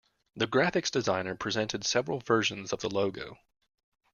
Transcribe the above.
The graphics designer presented several versions of the logo.